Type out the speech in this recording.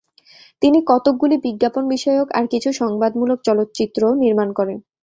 তিনি কতকগুলি বিজ্ঞাপন বিষয়ক আর কিছু সংবাদমূলক চলচ্চিত্রও নির্মাণ করেন।